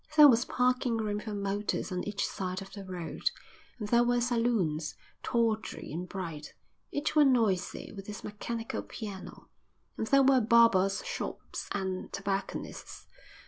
There was parking room for motors on each side of the road, and there were saloons, tawdry and bright, each one noisy with its mechanical piano, and there were barbers' shops and tobacconists.